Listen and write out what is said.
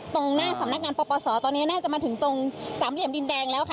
ตรงหน้าสำนักงานปปศตอนนี้น่าจะมาถึงตรงสามเหลี่ยมดินแดงแล้วค่ะ